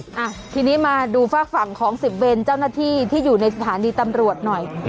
อ่ะทีนี้มาดูฝากฝั่งของสิบเวรเจ้าหน้าที่ที่อยู่ในสถานีตำรวจหน่อย